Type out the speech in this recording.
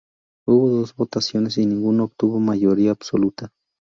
Hubo dos votaciones y ninguno obtuvo mayoría absoluta.